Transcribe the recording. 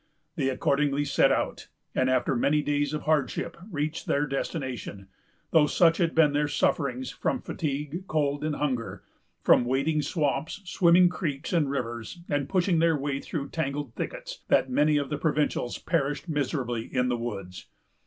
They accordingly set out, and, after many days of hardship, reached their destination; though such had been their sufferings, from fatigue, cold, and hunger; from wading swamps, swimming creeks and rivers, and pushing their way through tangled thickets, that many of the provincials perished miserably in the woods.